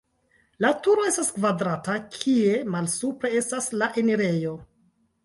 La turo estas kvadrata, kie malsupre estas la enirejo.